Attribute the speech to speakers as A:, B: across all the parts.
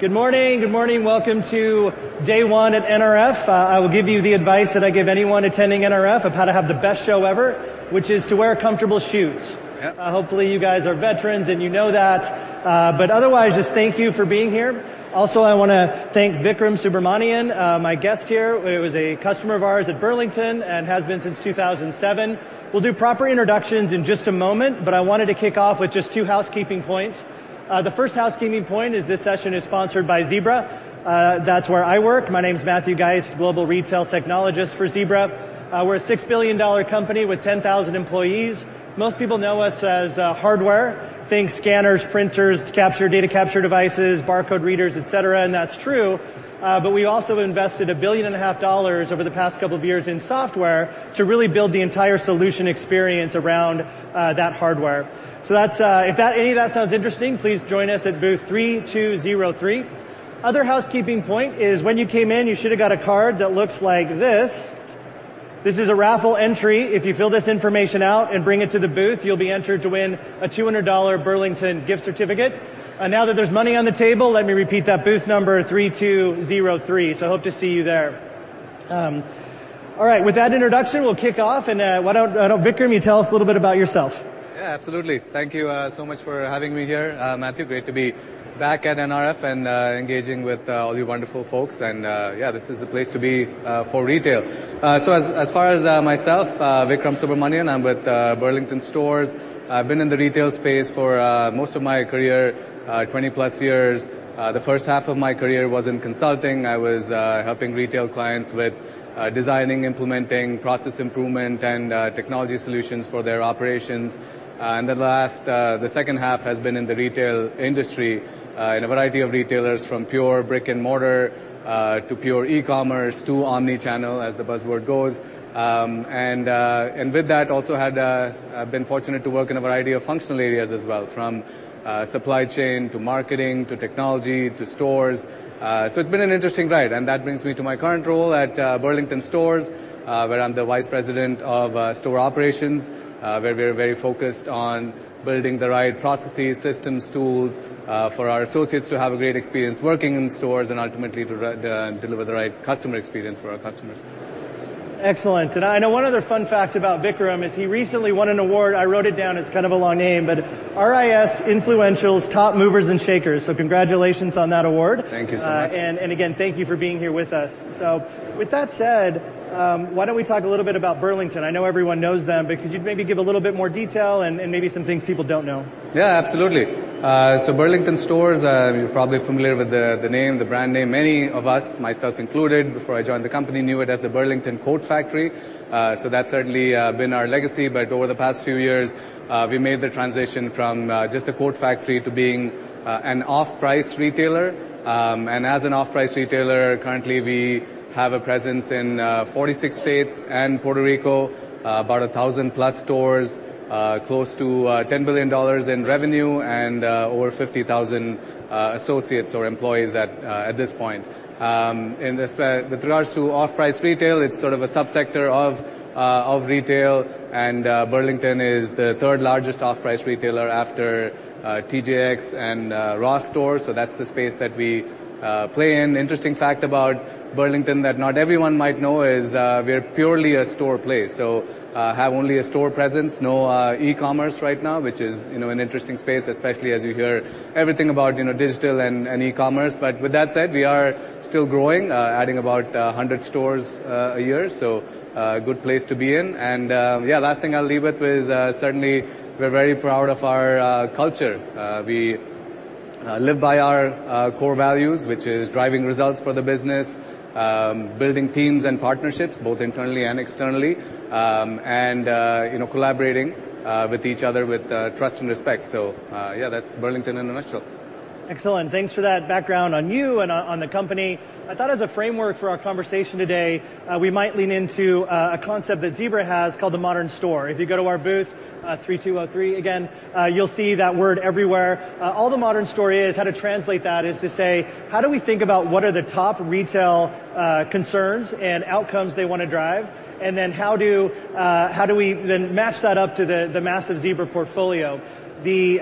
A: Good morning. Good morning. Welcome to day one at NRF. I will give you the advice that I give anyone attending NRF of how to have the best show ever, which is to wear comfortable shoes.
B: Yep.
A: Hopefully, you guys are veterans and you know that. But otherwise, just thank you for being here. Also, I want to thank Vikram Subramanian, my guest here. It was a customer of ours at Burlington and has been since 2007. We'll do proper introductions in just a moment, but I wanted to kick off with just two housekeeping points. The first housekeeping point is this session is sponsored by Zebra. That's where I work. My name is Matthew Geist, Global Retail Technologist for Zebra. We're a $6 billion company with 10,000 employees. Most people know us as hardware. Think scanners, printers, data capture devices, barcode readers, et cetera. And that's true. But we've also invested $1.5 billion over the past couple of years in software to really build the entire solution experience around that hardware. So if any of that sounds interesting, please join us at booth 3203. Other housekeeping point is when you came in, you should have got a card that looks like this. This is a raffle entry. If you fill this information out and bring it to the booth, you'll be entered to win a $200 Burlington gift certificate. Now that there's money on the table, let me repeat that booth number, 3203. So I hope to see you there. All right, with that introduction, we'll kick off. And why don't Vikram, you tell us a little bit about yourself?
B: Yeah, absolutely. Thank you so much for having me here, Matthew. Great to be back at NRF and engaging with all you wonderful folks. Yeah, this is the place to be for retail. As far as myself, Vikram Subramanian, I'm with Burlington Stores. I've been in the retail space for most of my career, 20+ years. The first half of my career was in consulting. I was helping retail clients with designing, implementing, process improvement, and technology solutions for their operations. Then the last, the second half has been in the retail industry in a variety of retailers, from pure brick and mortar to pure e-commerce to omnichannel, as the buzzword goes. With that, I've also been fortunate to work in a variety of functional areas as well, from supply chain to marketing to technology to stores. It's been an interesting ride. That brings me to my current role at Burlington Stores, where I'm the Vice President of Store Operations, where we are very focused on building the right processes, systems, tools for our associates to have a great experience working in stores and ultimately to deliver the right customer experience for our customers.
A: Excellent, and I know one other fun fact about Vikram is he recently won an award. I wrote it down. It's kind of a long name, but RIS Influentials: Top Movers and Shakers, so congratulations on that award.
B: Thank you so much.
A: Again, thank you for being here with us. With that said, why don't we talk a little bit about Burlington? I know everyone knows them, but could you maybe give a little bit more detail and maybe some things people don't know?
B: Yeah, absolutely. So Burlington Stores, you're probably familiar with the name, the brand name. Many of us, myself included, before I joined the company, knew it as the Burlington Coat Factory. So that's certainly been our legacy. But over the past few years, we made the transition from just a Coat Factory to being an off-price retailer. And as an off-price retailer, currently, we have a presence in 46 states and Puerto Rico, about 1,000+ stores, close to $10 billion in revenue, and over 50,000 associates or employees at this point. With regards to off-price retail, it's sort of a subsector of retail. And Burlington is the third largest off-price retailer after TJX and Ross Stores. So that's the space that we play in. An interesting fact about Burlington that not everyone might know is we're purely a store play. So we have only a store presence, no e-commerce right now, which is an interesting space, especially as you hear everything about digital and e-commerce. But with that said, we are still growing, adding about 100 stores a year. So a good place to be in. And yeah, the last thing I'll leave with is certainly we're very proud of our culture. We live by our core values, which is driving results for the business, building teams and partnerships, both internally and externally, and collaborating with each other with trust and respect. So yeah, that's Burlington in a nutshell.
A: Excellent. Thanks for that background on you and on the company. I thought as a framework for our conversation today, we might lean into a concept that Zebra has called the Modern Store. If you go to our Booth 3203, again, you'll see that word everywhere. All the Modern Store is, how to translate that is to say, how do we think about what are the top retail concerns and outcomes they want to drive? And then how do we then match that up to the massive Zebra portfolio? The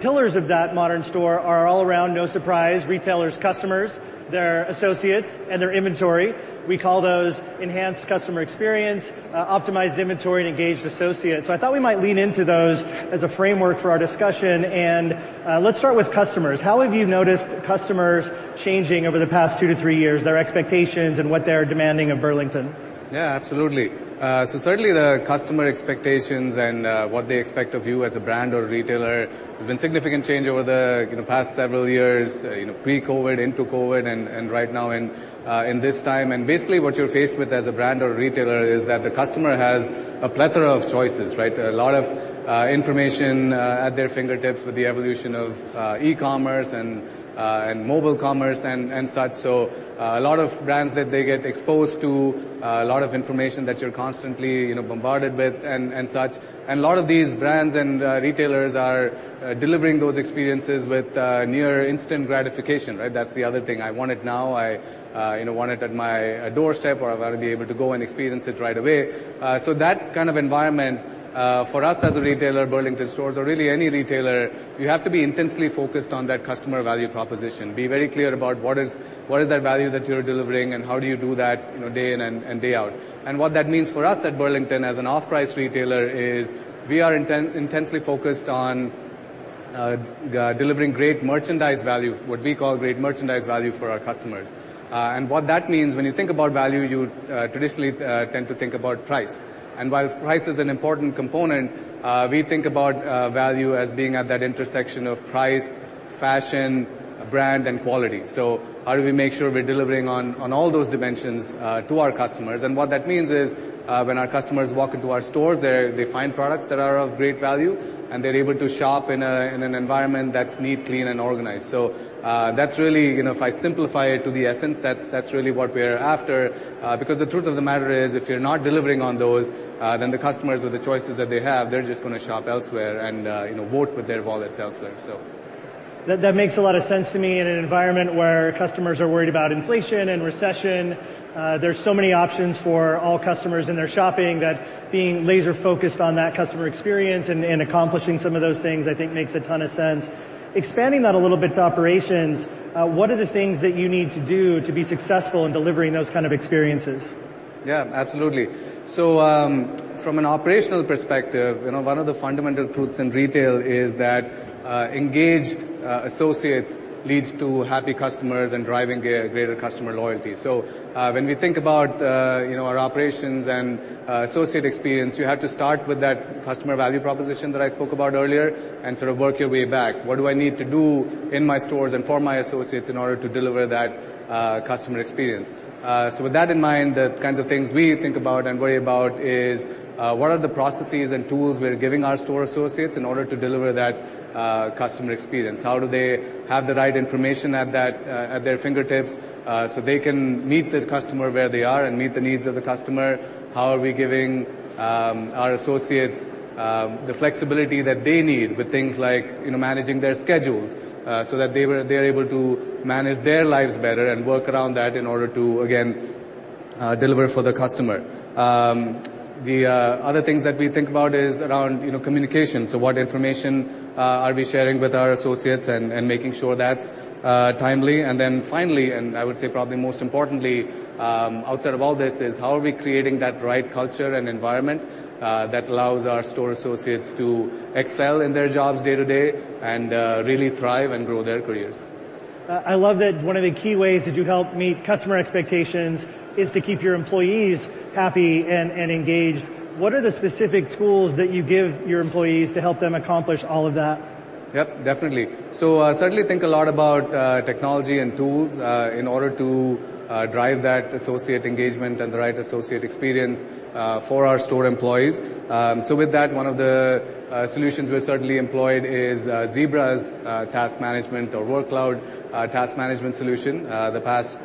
A: pillars of that Modern Store are all around, no surprise, retailers, customers, their associates, and their inventory. We call those enhanced customer experience, optimized inventory, and engaged associates. So I thought we might lean into those as a framework for our discussion. And let's start with customers. How have you noticed customers changing over the past two to three years, their expectations and what they're demanding of Burlington?
B: Yeah, absolutely. So certainly the customer expectations and what they expect of you as a brand or a retailer has been a significant change over the past several years, pre-COVID, into COVID, and right now in this time. And basically what you're faced with as a brand or a retailer is that the customer has a plethora of choices, right? A lot of information at their fingertips with the evolution of e-commerce and mobile commerce and such. So a lot of brands that they get exposed to, a lot of information that you're constantly bombarded with and such. And a lot of these brands and retailers are delivering those experiences with near instant gratification, right? That's the other thing. I want it now. I want it at my doorstep, or I want to be able to go and experience it right away. So that kind of environment for us as a retailer, Burlington Stores, or really any retailer, you have to be intensely focused on that customer value proposition. Be very clear about what is that value that you're delivering and how do you do that day in and day out. And what that means for us at Burlington as an off-price retailer is we are intensely focused on delivering great merchandise value, what we call great merchandise value for our customers. And what that means, when you think about value, you traditionally tend to think about price. And while price is an important component, we think about value as being at that intersection of price, fashion, brand, and quality. So how do we make sure we're delivering on all those dimensions to our customers? And what that means is when our customers walk into our stores, they find products that are of great value, and they're able to shop in an environment that's neat, clean, and organized. So that's really, if I simplify it to the essence, that's really what we're after. Because the truth of the matter is if you're not delivering on those, then the customers with the choices that they have, they're just going to shop elsewhere and vote with their wallets elsewhere.
A: That makes a lot of sense to me in an environment where customers are worried about inflation and recession. There's so many options for all customers in their shopping that being laser-focused on that customer experience and accomplishing some of those things, I think makes a ton of sense. Expanding that a little bit to operations, what are the things that you need to do to be successful in delivering those kinds of experiences?
B: Yeah, absolutely. So from an operational perspective, one of the fundamental truths in retail is that engaged associates lead to happy customers and driving greater customer loyalty. So when we think about our operations and associate experience, you have to start with that customer value proposition that I spoke about earlier and sort of work your way back. What do I need to do in my stores and for my associates in order to deliver that customer experience? So with that in mind, the kinds of things we think about and worry about is what are the processes and tools we're giving our store associates in order to deliver that customer experience? How do they have the right information at their fingertips so they can meet the customer where they are and meet the needs of the customer? How are we giving our associates the flexibility that they need with things like managing their schedules so that they are able to manage their lives better and work around that in order to, again, deliver for the customer? The other things that we think about is around communication, so what information are we sharing with our associates and making sure that's timely, and then finally, and I would say probably most importantly, outside of all this is how are we creating that right culture and environment that allows our store associates to excel in their jobs day-to-day and really thrive and grow their careers?
A: I love that one of the key ways that you help meet customer expectations is to keep your employees happy and engaged. What are the specific tools that you give your employees to help them accomplish all of that?
B: Yep, definitely, so I certainly think a lot about technology and tools in order to drive that associate engagement and the right associate experience for our store employees, so with that, one of the solutions we've certainly employed is Zebra's task management or workload task management solution the past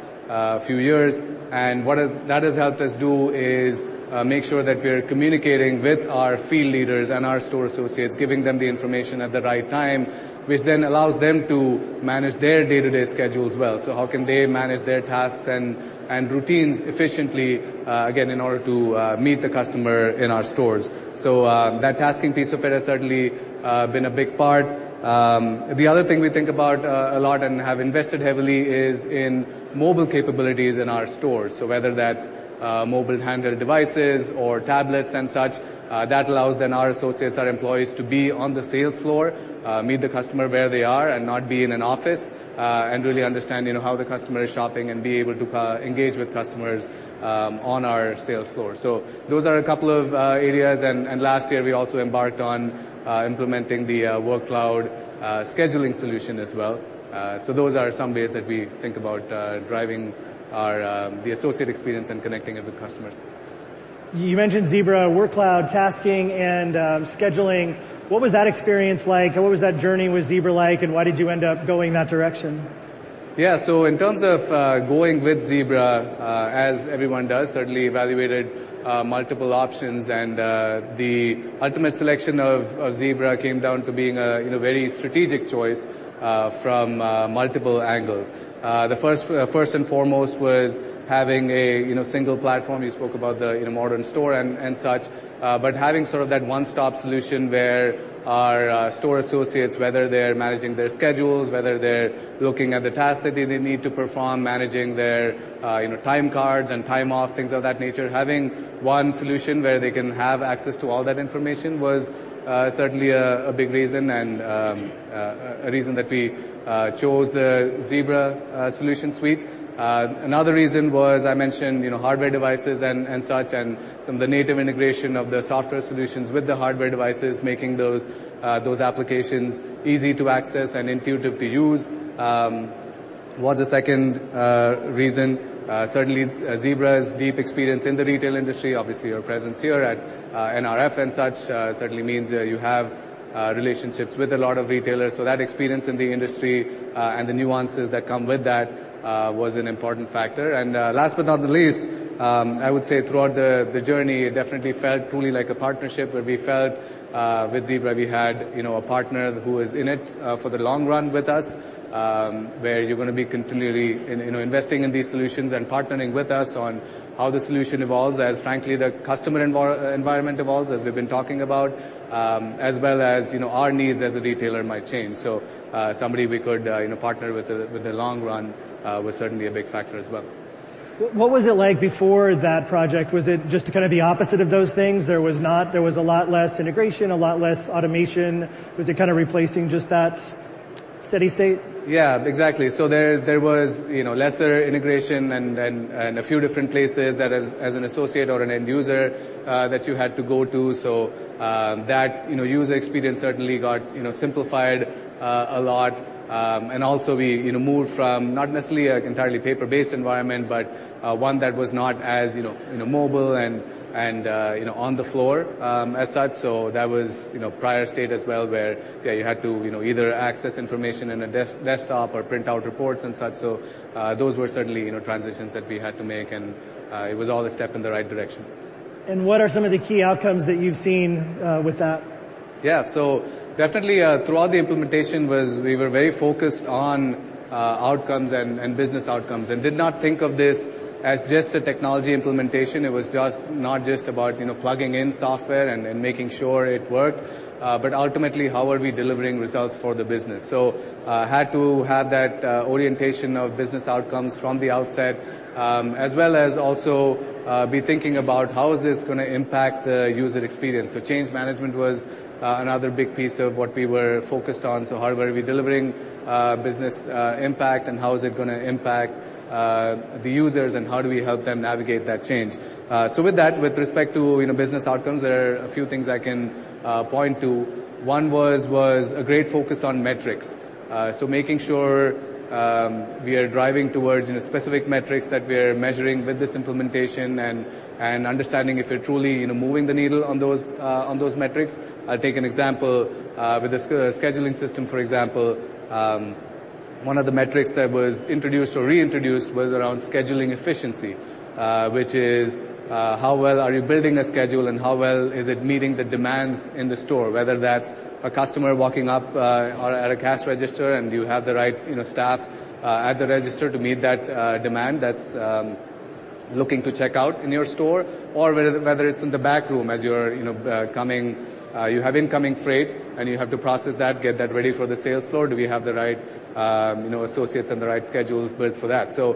B: few years, and what that has helped us do is make sure that we're communicating with our field leaders and our store associates, giving them the information at the right time, which then allows them to manage their day-to-day schedules well, so how can they manage their tasks and routines efficiently, again, in order to meet the customer in our stores, so that tasking piece of it has certainly been a big part. The other thing we think about a lot and have invested heavily is in mobile capabilities in our stores. So whether that's mobile handheld devices or tablets and such, that allows then our associates, our employees, to be on the sales floor, meet the customer where they are, and not be in an office, and really understand how the customer is shopping and be able to engage with customers on our sales floor. So those are a couple of areas. And last year, we also embarked on implementing the workload scheduling solution as well. So those are some ways that we think about driving the associate experience and connecting it with customers.
A: You mentioned Zebra Workload Tasking and Scheduling. What was that experience like? What was that journey with Zebra like, and why did you end up going that direction?
B: Yeah, so in terms of going with Zebra, as everyone does, certainly evaluated multiple options, and the ultimate selection of Zebra came down to being a very strategic choice from multiple angles. The first and foremost was having a single platform. You spoke about the Modern Store and such, but having sort of that one-stop solution where our store associates, whether they're managing their schedules, whether they're looking at the tasks that they need to perform, managing their time cards and time off, things of that nature, having one solution where they can have access to all that information was certainly a big reason and a reason that we chose the Zebra solution suite. Another reason was, I mentioned hardware devices and such and some of the native integration of the software solutions with the hardware devices, making those applications easy to access and intuitive to use. What's the second reason? Certainly, Zebra's deep experience in the retail industry, obviously your presence here at NRF and such, certainly means you have relationships with a lot of retailers. So that experience in the industry and the nuances that come with that was an important factor. And last but not the least, I would say throughout the journey, it definitely felt truly like a partnership where we felt with Zebra we had a partner who is in it for the long run with us, where you're going to be continually investing in these solutions and partnering with us on how the solution evolves as, frankly, the customer environment evolves, as we've been talking about, as well as our needs as a retailer might change. So somebody we could partner with the long run was certainly a big factor as well.
A: What was it like before that project? Was it just kind of the opposite of those things? There was a lot less integration, a lot less automation. Was it kind of replacing just that steady state?
B: Yeah, exactly. So there was lesser integration and a few different places as an associate or an end user that you had to go to. So that user experience certainly got simplified a lot. And also we moved from not necessarily an entirely paper-based environment, but one that was not as mobile and on the floor as such. So that was prior state as well where you had to either access information in a desktop or print out reports and such. So those were certainly transitions that we had to make, and it was all a step in the right direction.
A: And what are some of the key outcomes that you've seen with that?
B: Yeah, so definitely throughout the implementation, we were very focused on outcomes and business outcomes and did not think of this as just a technology implementation. It was not just about plugging in software and making sure it worked, but ultimately how are we delivering results for the business. So we had to have that orientation of business outcomes from the outset, as well as also be thinking about how is this going to impact the user experience. So change management was another big piece of what we were focused on. So how are we delivering business impact and how is it going to impact the users and how do we help them navigate that change? So with that, with respect to business outcomes, there are a few things I can point to. One was a great focus on metrics. So making sure we are driving towards specific metrics that we are measuring with this implementation and understanding if we're truly moving the needle on those metrics. I'll take an example with the scheduling system, for example. One of the metrics that was introduced or reintroduced was around scheduling efficiency, which is how well are you building a schedule and how well is it meeting the demands in the store, whether that's a customer walking up at a cash register and you have the right staff at the register to meet that demand that's looking to check out in your store, or whether it's in the back room as you're coming, you have incoming freight and you have to process that, get that ready for the sales floor. Do we have the right associates and the right schedules built for that? So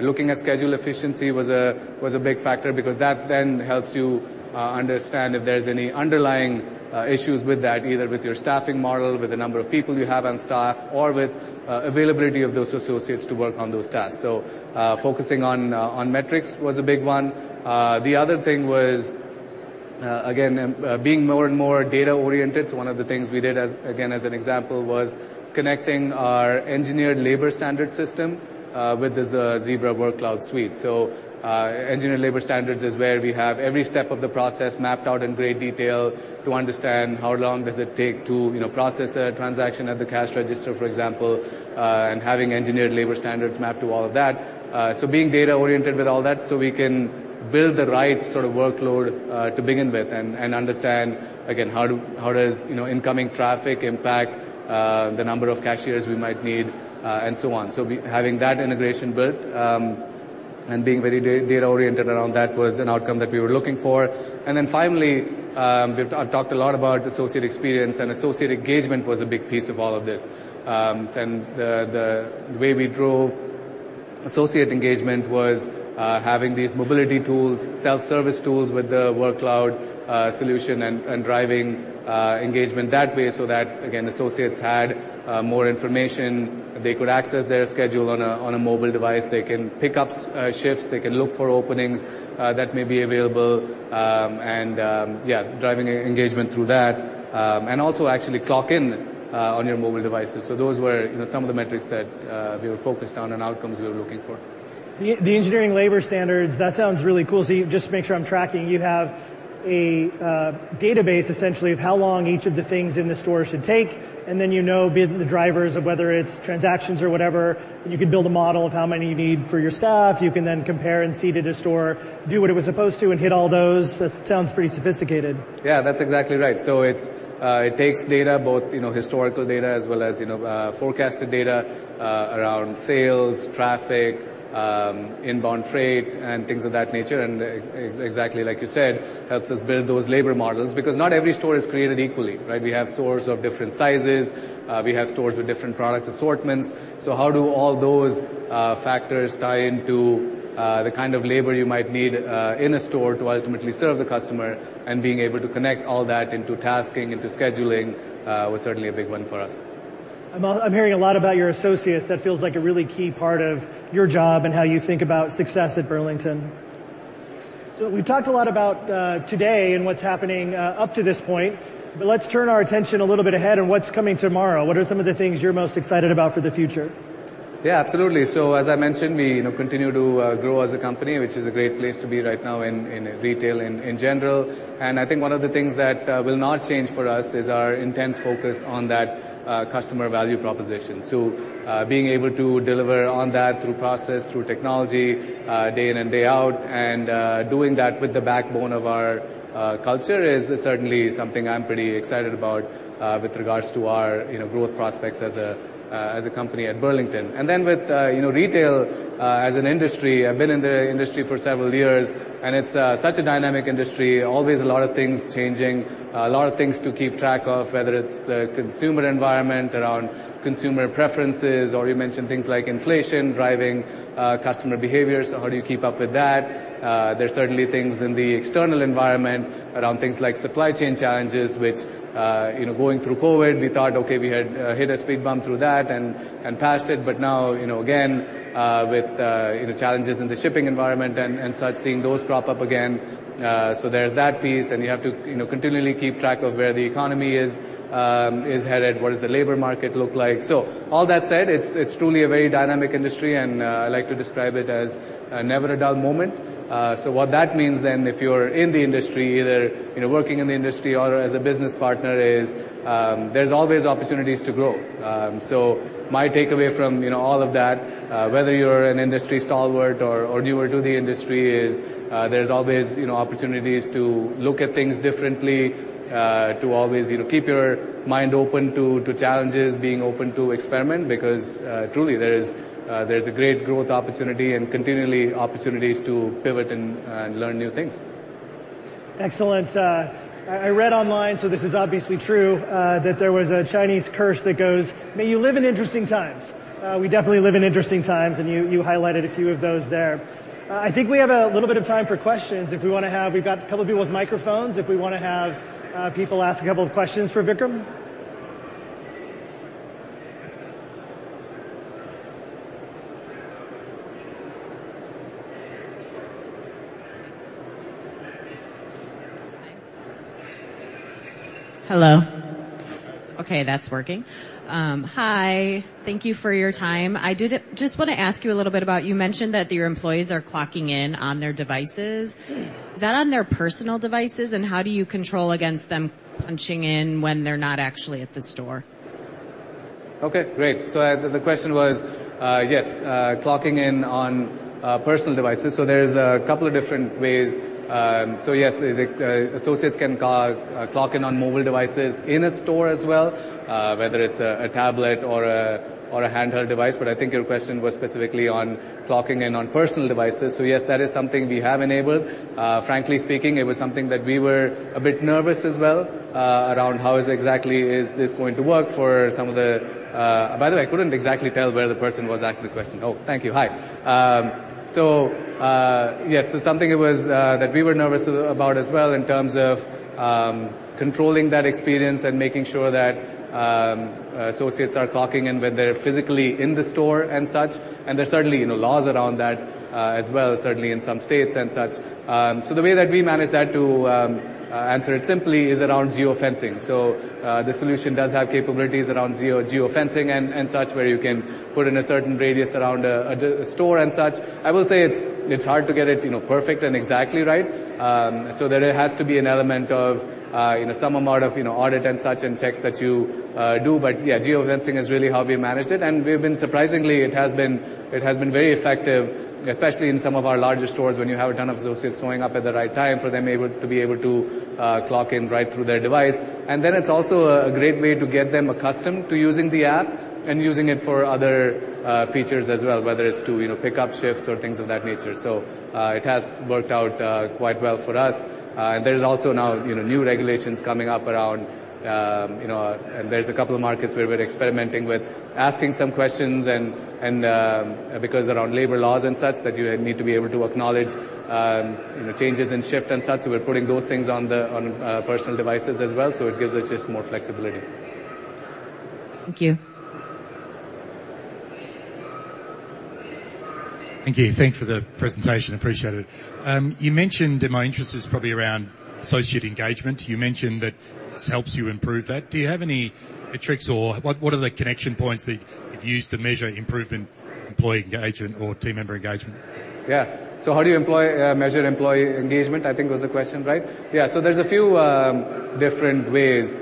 B: looking at schedule efficiency was a big factor because that then helps you understand if there's any underlying issues with that, either with your staffing model, with the number of people you have on staff, or with availability of those associates to work on those tasks. So focusing on metrics was a big one. The other thing was, again, being more and more data-oriented. So one of the things we did, again, as an example, was connecting our engineered labor standard system with the Zebra workload suite. So engineered labor standards is where we have every step of the process mapped out in great detail to understand how long does it take to process a transaction at the cash register, for example, and having engineered labor standards mapped to all of that. So being data-oriented with all that so we can build the right sort of workload to begin with and understand, again, how does incoming traffic impact the number of cashiers we might need and so on. So having that integration built and being very data-oriented around that was an outcome that we were looking for. And then finally, we've talked a lot about associate experience, and associate engagement was a big piece of all of this. And the way we drove associate engagement was having these mobility tools, self-service tools with the workload solution and driving engagement that way so that, again, associates had more information. They could access their schedule on a mobile device. They can pick up shifts. They can look for openings that may be available and, yeah, driving engagement through that and also actually clock in on your mobile devices. So those were some of the metrics that we were focused on and outcomes we were looking for.
A: The Engineered Labor Standards, that sounds really cool. So just to make sure I'm tracking, you have a database essentially of how long each of the things in the store should take, and then you know the drivers of whether it's transactions or whatever. You can build a model of how many you need for your staff. You can then compare and see did a store do what it was supposed to and hit all those. That sounds pretty sophisticated.
B: Yeah, that's exactly right, so it takes data, both historical data as well as forecasted data around sales, traffic, inbound freight, and things of that nature, and exactly like you said, helps us build those labor models because not every store is created equally. We have stores of different sizes. We have stores with different product assortments, so how do all those factors tie into the kind of labor you might need in a store to ultimately serve the customer, and being able to connect all that into tasking, into scheduling, was certainly a big one for us.
A: I'm hearing a lot about your associates. That feels like a really key part of your job and how you think about success at Burlington. So we've talked a lot about today and what's happening up to this point, but let's turn our attention a little bit ahead and what's coming tomorrow. What are some of the things you're most excited about for the future?
B: Yeah, absolutely. So as I mentioned, we continue to grow as a company, which is a great place to be right now in retail in general. And I think one of the things that will not change for us is our intense focus on that customer value proposition. So being able to deliver on that through process, through technology day in and day out, and doing that with the backbone of our culture is certainly something I'm pretty excited about with regards to our growth prospects as a company at Burlington. And then with retail as an industry, I've been in the industry for several years, and it's such a dynamic industry, always a lot of things changing, a lot of things to keep track of, whether it's the consumer environment around consumer preferences, or you mentioned things like inflation driving customer behavior. So how do you keep up with that? There's certainly things in the external environment around things like supply chain challenges, which, going through COVID, we thought, okay, we had hit a speed bump through that and passed it. But now, again, with challenges in the shipping environment and such, seeing those crop up again. So there's that piece, and you have to continually keep track of where the economy is headed. What does the labor market look like? So all that said, it's truly a very dynamic industry, and I like to describe it as a never a dull moment. So what that means then, if you're in the industry, either working in the industry or as a business partner, is there's always opportunities to grow. So my takeaway from all of that, whether you're an industry stalwart or newer to the industry, is there's always opportunities to look at things differently, to always keep your mind open to challenges, being open to experiment, because truly there's a great growth opportunity and continually opportunities to pivot and learn new things.
A: Excellent. I read online, so this is obviously true, that there was a Chinese curse that goes, "May you live in interesting times." We definitely live in interesting times, and you highlighted a few of those there. I think we have a little bit of time for questions if we want to have. We've got a couple of people with microphones if we want to have people ask a couple of questions for Vikram. Hello. Okay, that's working. Hi. Thank you for your time. I just want to ask you a little bit about, you mentioned that your employees are clocking in on their devices. Is that on their personal devices, and how do you control against them punching in when they're not actually at the store?
B: Okay, great. The question was, yes, clocking in on personal devices. There's a couple of different ways. Yes, associates can clock in on mobile devices in a store as well, whether it's a tablet or a handheld device. But I think your question was specifically on clocking in on personal devices. Yes, that is something we have enabled. Frankly speaking, it was something that we were a bit nervous as well around how exactly is this going to work for some of the, by the way, I couldn't exactly tell where the person was asking the question. Oh, thank you. Hi. Yes, it's something that we were nervous about as well in terms of controlling that experience and making sure that associates are clocking in when they're physically in the store and such. There's certainly laws around that as well, certainly in some states and such. The way that we manage that, to answer it simply, is around geofencing. The solution does have capabilities around geofencing and such, where you can put in a certain radius around a store and such. I will say it's hard to get it perfect and exactly right. There has to be an element of some amount of audit and such and checks that you do. Yeah, geofencing is really how we managed it. We've been surprisingly, it has been very effective, especially in some of our larger stores when you have a ton of associates showing up at the right time for them to be able to clock in right through their device. And then it's also a great way to get them accustomed to using the app and using it for other features as well, whether it's to pick up shifts or things of that nature. So it has worked out quite well for us. And there's also now new regulations coming up around, and there's a couple of markets where we're experimenting with asking some questions because around labor laws and such that you need to be able to acknowledge changes in shift and such. So we're putting those things on personal devices as well. So it gives us just more flexibility. Thank you. Thank you. Thanks for the presentation. Appreciate it. You mentioned. My interest is probably around associate engagement. You mentioned that this helps you improve that. Do you have any tricks or what are the connection points that you've used to measure improvement, employee engagement, or team member engagement? Yeah. So how do you measure employee engagement? I think was the question, right? Yeah. So there's a few different ways.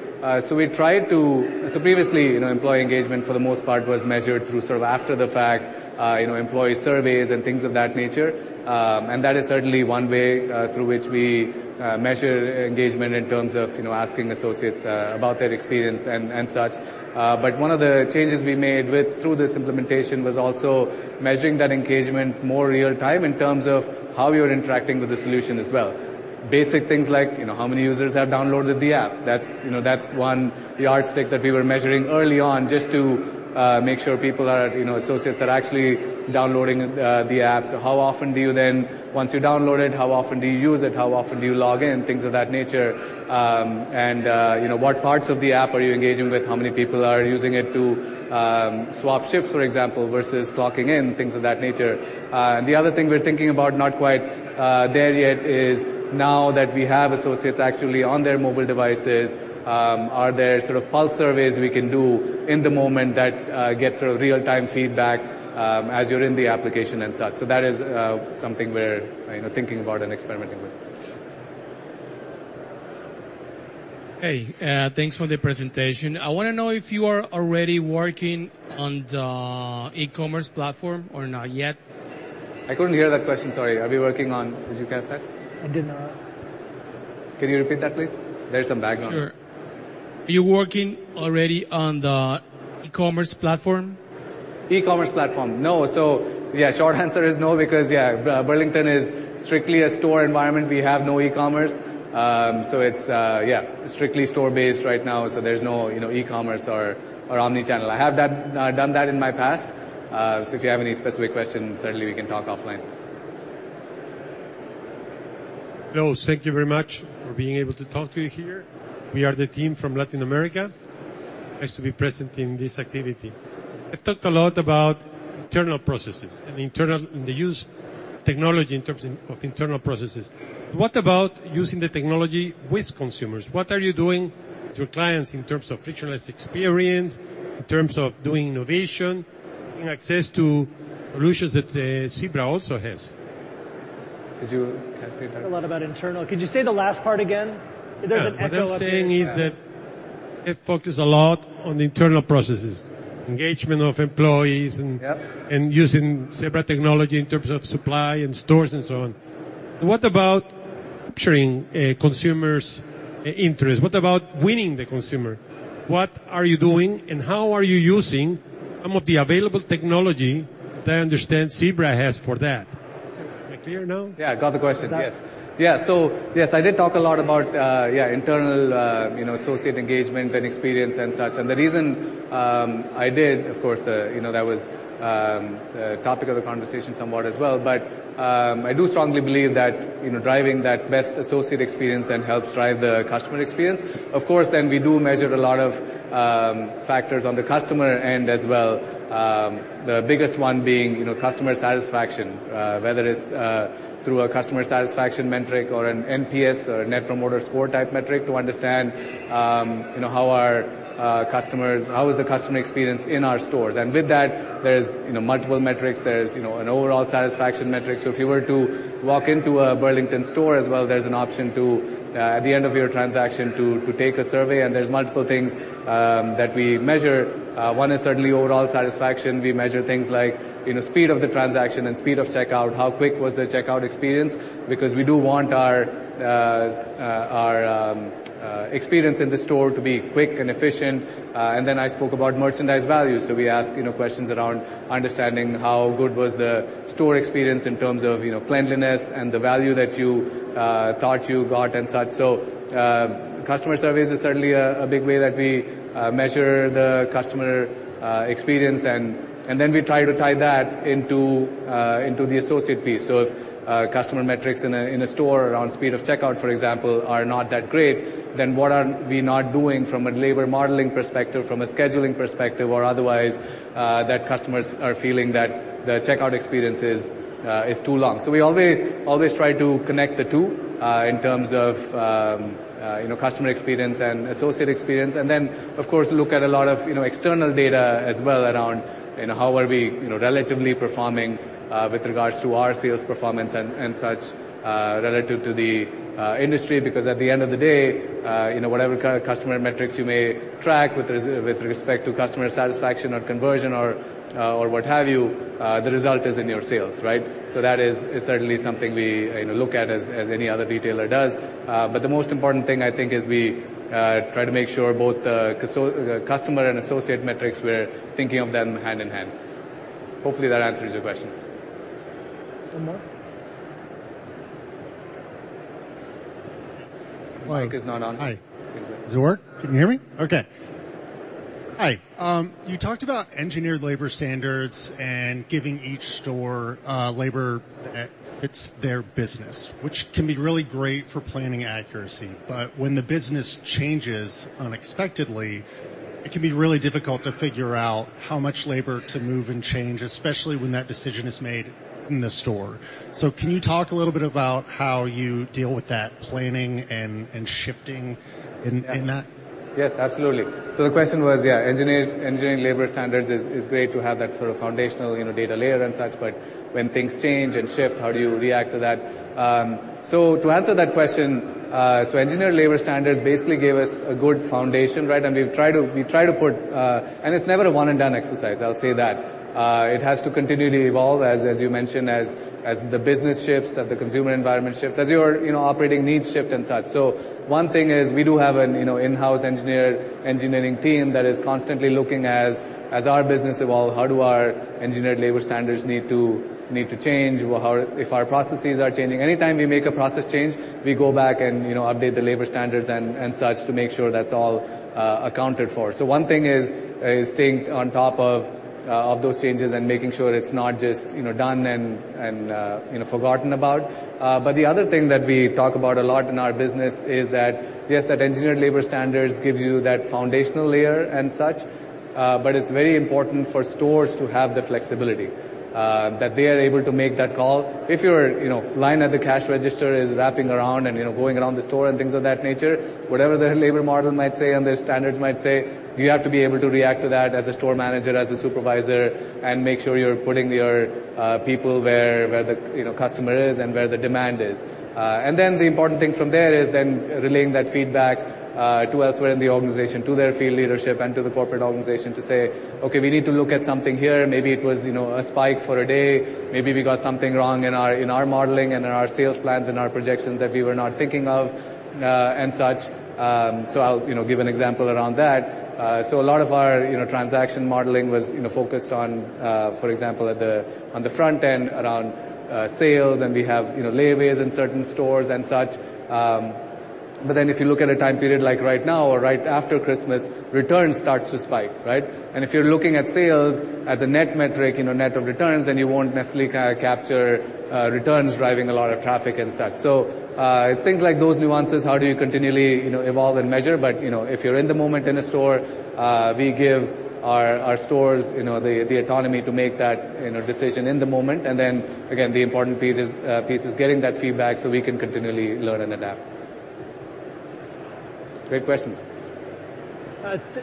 B: So we tried to, so previously, employee engagement for the most part was measured through sort of after-the-fact employee surveys and things of that nature. And that is certainly one way through which we measure engagement in terms of asking associates about their experience and such. But one of the changes we made through this implementation was also measuring that engagement more real-time in terms of how you're interacting with the solution as well. Basic things like how many users have downloaded the app. That's one yardstick that we were measuring early on just to make sure associates are actually downloading the app. So how often do you then, once you download it, how often do you use it? How often do you log in? Things of that nature. What parts of the app are you engaging with? How many people are using it to swap shifts, for example, versus clocking in? Things of that nature. The other thing we're thinking about not quite there yet is now that we have associates actually on their mobile devices, are there sort of pulse surveys we can do in the moment that get sort of real-time feedback as you're in the application and such? That is something we're thinking about and experimenting with. Hey, thanks for the presentation. I want to know if you are already working on the e-commerce platform or not yet? I couldn't hear that question. Sorry. Are we working on? Did you catch that? I did not. Can you repeat that, please? There's some background. Sure. Are you working already on the e-commerce platform? E-commerce platform. No. So yeah, short answer is no because, yeah, Burlington is strictly a store environment. We have no e-commerce. So it's, yeah, strictly store-based right now. So there's no e-commerce or omnichannel. I have done that in my past. So if you have any specific questions, certainly we can talk offline. Hello. Thank you very much for being able to talk to you here. We are the team from Latin America. Nice to be present in this activity. I've talked a lot about internal processes and the use of technology in terms of internal processes. What about using the technology with consumers? What are you doing with your clients in terms of frictionless experience, in terms of doing innovation, access to solutions that Zebra also has? Did you catch that?
A: A lot about internal. Could you say the last part again? There's an echo up here. What I'm saying is that I focus a lot on the internal processes, engagement of employees, and using Zebra technology in terms of supply and stores and so on. What about capturing consumers' interest? What about winning the consumer? What are you doing and how are you using some of the available technology that I understand Zebra has for that? Am I clear now?
B: Yeah, got the question. Yes. So yes, I did talk a lot about, yeah, internal associate engagement and experience and such. And the reason I did, of course, that was the topic of the conversation somewhat as well. But I do strongly believe that driving that best associate experience then helps drive the customer experience. Of course, then we do measure a lot of factors on the customer end as well. The biggest one being customer satisfaction, whether it's through a customer satisfaction metric or an NPS or Net Promoter Score type metric to understand how is the customer experience in our stores? And with that, there's multiple metrics. There's an overall satisfaction metric. So if you were to walk into a Burlington store as well, there's an option at the end of your transaction to take a survey. And there's multiple things that we measure. One is certainly overall satisfaction. We measure things like speed of the transaction and speed of checkout. How quick was the checkout experience? Because we do want our experience in the store to be quick and efficient, and then I spoke about merchandise value, so we ask questions around understanding how good was the store experience in terms of cleanliness and the value that you thought you got and such, so customer surveys are certainly a big way that we measure the customer experience, and then we try to tie that into the associate piece, so if customer metrics in a store around speed of checkout, for example, are not that great, then what are we not doing from a labor modeling perspective, from a scheduling perspective, or otherwise that customers are feeling that the checkout experience is too long? So we always try to connect the two in terms of customer experience and associate experience. And then, of course, look at a lot of external data as well around how are we relatively performing with regards to our sales performance and such relative to the industry? Because at the end of the day, whatever customer metrics you may track with respect to customer satisfaction or conversion or what have you, the result is in your sales, right? So that is certainly something we look at as any other retailer does. But the most important thing, I think, is we try to make sure both the customer and associate metrics, we're thinking of them hand in hand. Hopefully, that answers your question. The mic is not on. Is it working? Can you hear me? Okay. Hi. You talked about engineered labor standards and giving each store labor that fits their business, which can be really great for planning accuracy. But when the business changes unexpectedly, it can be really difficult to figure out how much labor to move and change, especially when that decision is made in the store. So can you talk a little bit about how you deal with that planning and shifting in that? Yes, absolutely. So the question was, yeah, engineered labor standards is great to have that sort of foundational data layer and such. But when things change and shift, how do you react to that? So to answer that question, so engineered labor standards basically gave us a good foundation, right? And we try to put, and it's never a one-and-done exercise, I'll say that. It has to continue to evolve, as you mentioned, as the business shifts, as the consumer environment shifts, as your operating needs shift and such. So one thing is we do have an in-house engineering team that is constantly looking at, as our business evolves, how do our engineered labor standards need to change, if our processes are changing? Anytime we make a process change, we go back and update the labor standards and such to make sure that's all accounted for. So one thing is staying on top of those changes and making sure it's not just done and forgotten about. But the other thing that we talk about a lot in our business is that, yes, that engineered labor standards gives you that foundational layer and such. But it's very important for stores to have the flexibility that they are able to make that call. If your line at the cash register is wrapping around and going around the store and things of that nature, whatever the labor model might say and the standards might say, you have to be able to react to that as a store manager, as a supervisor, and make sure you're putting your people where the customer is and where the demand is. And then the important thing from there is then relaying that feedback to elsewhere in the organization, to their field leadership and to the corporate organization to say, "Okay, we need to look at something here. Maybe it was a spike for a day. Maybe we got something wrong in our modeling and in our sales plans and our projections that we were not thinking of and such." So I'll give an example around that. So a lot of our transaction modeling was focused on, for example, on the front end around sales, and we have layaways in certain stores and such. But then if you look at a time period like right now or right after Christmas, returns start to spike, right? And if you're looking at sales as a net metric, net of returns, then you won't necessarily capture returns driving a lot of traffic and such. So it's things like those nuances, how do you continually evolve and measure? But if you're in the moment in a store, we give our stores the autonomy to make that decision in the moment. And then, again, the important piece is getting that feedback so we can continually learn and adapt. Great questions.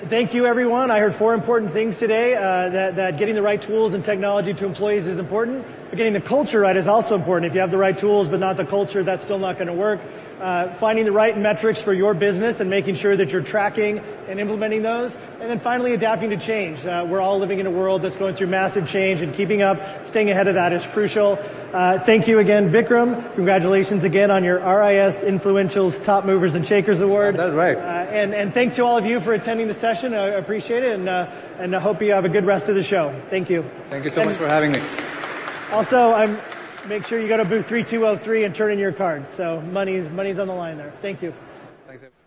A: Thank you, everyone. I heard four important things today. That getting the right tools and technology to employees is important. But getting the culture right is also important. If you have the right tools but not the culture, that's still not going to work. Finding the right metrics for your business and making sure that you're tracking and implementing those. And then finally, adapting to change. We're all living in a world that's going through massive change, and keeping up, staying ahead of that is crucial. Thank you again, Vikram. Congratulations again on your RIS Influentials: Top Movers and Shakers Award.
B: That's right.
A: Thanks to all of you for attending the session. I appreciate it, and I hope you have a good rest of the show. Thank you.
B: Thank you so much for having me.
A: Also, make sure you go to Booth 3203 and turn in your card. So money's on the line there. Thank you.
B: Thanks.